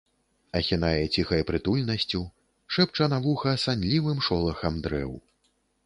Ахінае ціхай прытульнасцю, шэпча на вуха санлівым шолахам дрэў.